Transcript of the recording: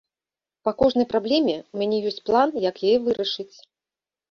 Па кожнай праблеме ў мяне ёсць план, як яе вырашыць.